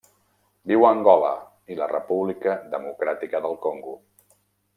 Viu a Angola i la República Democràtica del Congo.